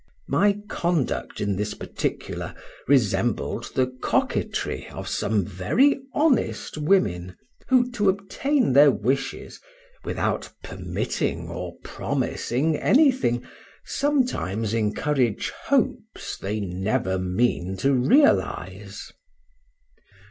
My conduct in this particular resembled the coquetry of some very honest women, who, to obtain their wishes, without permitting or promising anything, sometimes encourage hopes they never mean to realize.